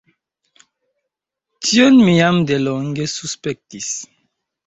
Tion mi jam de longe suspektis.